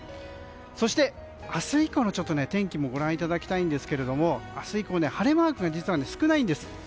そして明日以降の天気もご覧いただきたいんですが明日以降晴れマークが少ないんです。